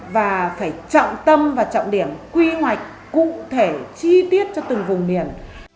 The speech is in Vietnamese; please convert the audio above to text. và phải trọng tâm và trọng điểm quy hoạch cụ thể chi tiết cho từng vùng miền